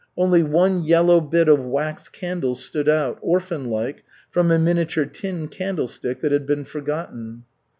Only one yellow bit of wax candle stood out, orphan like, from a miniature tin candlestick that had been forgotten.